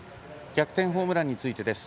逆転ホームランについてです。